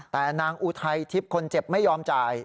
แต่นางอุทัยทิพย์คนเจ็บไม่ยอมจ่าย